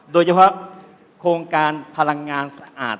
โดยเฉพาะโครงการพลังงานสะอาด